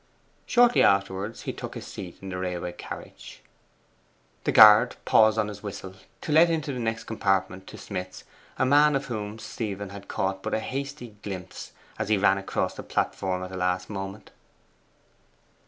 Shortly afterwards he took his seat in the railway carriage. The guard paused on his whistle, to let into the next compartment to Smith's a man of whom Stephen had caught but a hasty glimpse as he ran across the platform at the last moment.